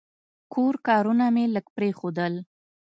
کور کارونه مې لږ پرېښودل.